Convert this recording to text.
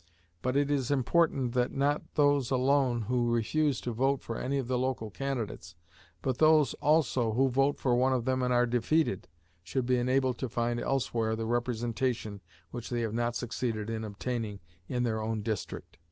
But it is important that not those alone who refuse to vote for any of the local candidates, but those also who vote for one of them and are defeated, should be enabled to find elsewhere the representation which they have not succeeded in obtaining in their own district.